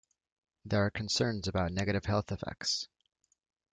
There are concerns about negative health effects.